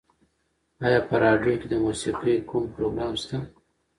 ایا په راډیو کې د موسیقۍ کوم پروګرام شته؟